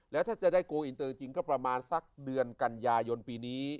แล้วถ้าจะได้โกลอินเตอร์จริงก็ประมาณสักเดือนกันยายนปีนี้